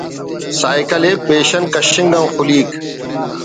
سائیکل ءِ پیشن کشنگ آن خلیک